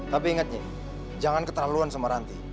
tapi ingat nih jangan keterlaluan sama ranti